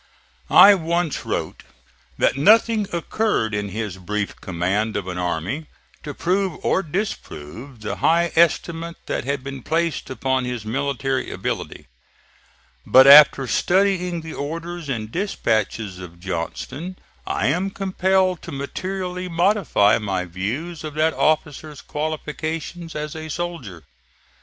I once wrote that nothing occurred in his brief command of an army to prove or disprove the high estimate that had been placed upon his military ability; but after studying the orders and dispatches of Johnston I am compelled to materially modify my views of that officer's qualifications as a soldier.